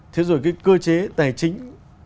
thế rồi cái cơ chế tài chính